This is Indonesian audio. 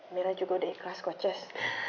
mira juga udah ikhlas kok cez